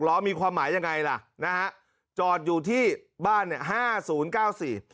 ล้อมีความหมายยังไงล่ะนะฮะจอดอยู่ที่บ้านเนี่ยห้าศูนย์เก้าสี่